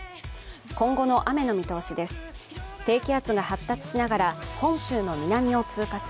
今後の雨の見通しです。